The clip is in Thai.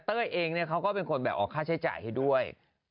เองเขาก็เป็นคนแบบออกค่าใช้จ่ายให้ด้วย